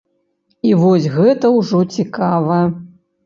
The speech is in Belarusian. І вось гэта ўжо цікава.